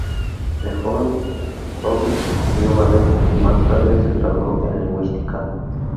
De joven Poggi estudió ballet y más tarde se graduó en lingüística.